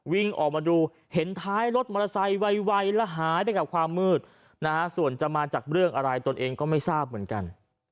วิ่งออกมาดูเห็นท้ายรถมอเตอร์ไซค์ไวแล้วหายไปกับความมืดนะฮะส่วนจะมาจากเรื่องอะไรตนเองก็ไม่ทราบเหมือนกัน